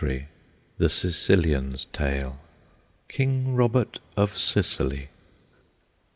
THE SICILIAN'S TALE. KING ROBERT OF SICILY.